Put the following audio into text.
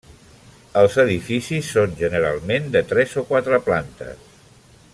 Els edificis són generalment de tres o quatre plantes.